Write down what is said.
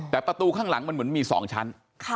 แต่ประตูข้างหลังมันเหมือนมี๒ชั้น